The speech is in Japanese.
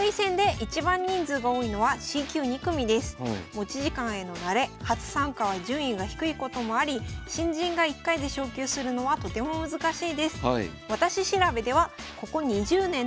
持ち時間への慣れ初参加は順位が低いこともあり新人が１回で昇級するのはとても難しいです。